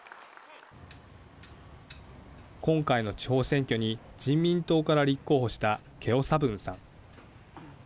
今回の地方選挙に人民党から立候補したケオ・サブンさん。